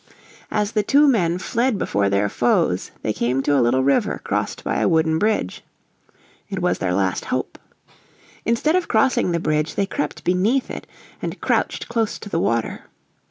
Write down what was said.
As the two men fled before their foes they came to a little river crossed by a wooden bridge. It was their last hope. Instead of crossing the bridge they crept beneath it, and crouched close to the water.